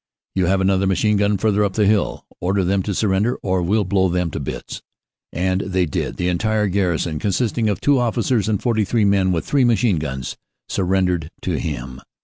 "You have another machine gun further up the hill; order them to surrender or we ll blow them to bits." And they did ; the entire garrison, consisting of two officers and 43 men with three machine guns, surrendered to him.